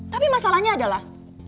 tapi masalahnya adalah